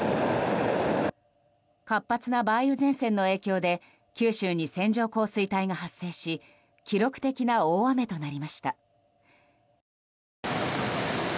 活発な梅雨前線の影響で九州に線状降水帯が発生し記録的な大雨となりました。